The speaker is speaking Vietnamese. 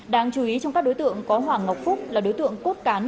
đáng chú ý trong các đối tượng có hoàng ngọc phúc là đối tượng cốt cán